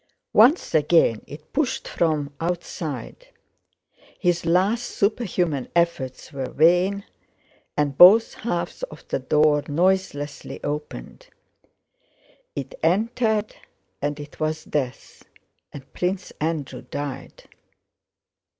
Once again it pushed from outside. His last superhuman efforts were vain and both halves of the door noiselessly opened. It entered, and it was death, and Prince Andrew died.